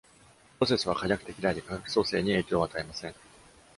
プロセスは可逆的であり、化学組成に影響を与えません。